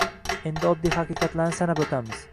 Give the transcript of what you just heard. Endi oddiy haqiqatlarni sanab o‘tamiz.